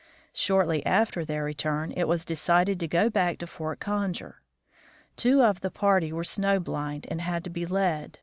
Shortly after their return it was decided to go back to Fort Conger. Two of the party were snow blind and had to be led.